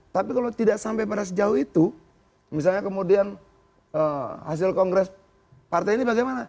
tapi kalau tidak sampai pada sejauh itu misalnya kemudian hasil kongres partai ini bagaimana